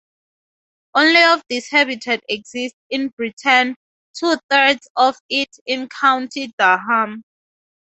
Only of this habitat exist in Britain, two-thirds of it in County Durham.